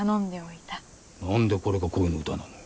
何でこれが恋の歌なのよ。